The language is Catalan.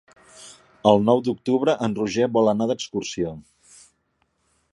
El nou d'octubre en Roger vol anar d'excursió.